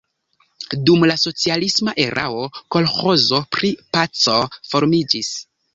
Dum la socialisma erao kolĥozo pri "Paco" formiĝis.